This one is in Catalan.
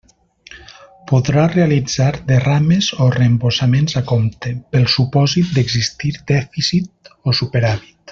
Podrà realitzar derrames o reembossaments a compte, pel supòsit d'existir dèficit o superàvit.